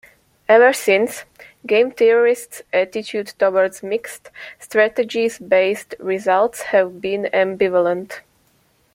Ever since, game theorists' attitude towards mixed strategies-based results have been ambivalent.